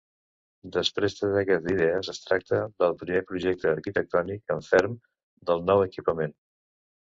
Després de dècades d'idees, es tracta del primer projecte arquitectònic en ferm del nou equipament.